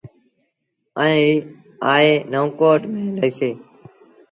ائيٚݩ آئي نئون ڪوٽ ميݩ لهيٚسي۔